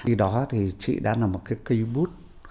đi đó thì chị đã là một cái cây bút